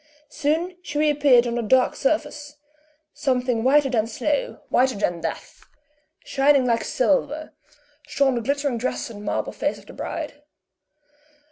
Soon she reappeared on the dark surface something whiter than snow, whiter than death; shining like silver, shone the glittering dress and marble face of the bride.